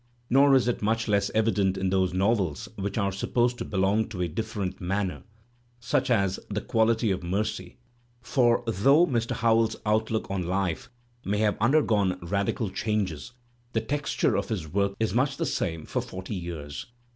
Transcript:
Nor is it much less evident in those novels which are supposed to belong to a diflFerent manner, such as "The Quality of Mercy"; for though Mr. Howells's outlook on life may have undergone Digitized by Google HOWELLS 293 radical changes, the texture of his work is much the same for forty years.